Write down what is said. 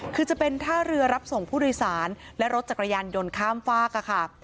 คือจะเป็นท่าเรือรับส่งผู้โดยสารและรถจักรยานยนต์ข้ามฝากค่ะ